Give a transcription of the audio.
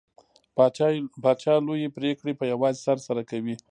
پاچا لوې پرېکړې په يوازې سر سره کوي .